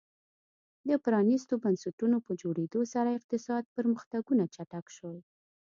د پرانیستو بنسټونو په جوړېدو سره اقتصادي پرمختګونه چټک شول.